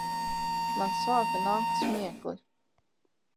Man sāka nākt smiekli.